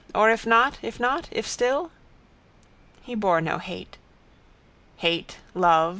Or if not? If not? If still? He bore no hate. Hate. Love.